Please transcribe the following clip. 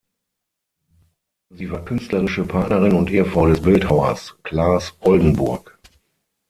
Sie war künstlerische Partnerin und Ehefrau des Bildhauers Claes Oldenburg.